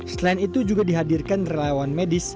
selain itu juga dihadirkan relawan medis